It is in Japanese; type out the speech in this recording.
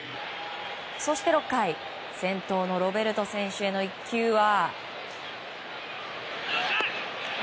そして６回、先頭のロベルト選手への一球は。